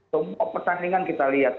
semua pertandingan kita lihat